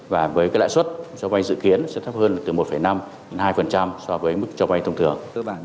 và với cái lãi suất cho vay dự kiến sẽ thấp hơn từ một năm đến hai so với mức cho vay thông thường